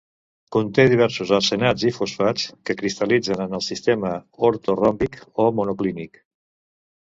Conté diversos arsenats i fosfats que cristal·litzen en el sistema ortoròmbic o monoclínic.